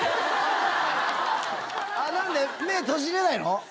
何で⁉目閉じれないの？